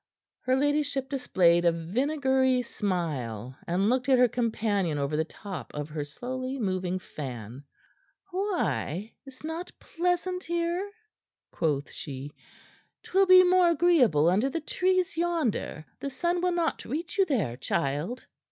Her ladyship displayed a vinegary smile, and looked at her companion over the top of her slowly moving fan. "Why? Is't not pleasant here?" quoth she. "'Twill be more agreeable under the trees yonder. The sun will not reach you there, child."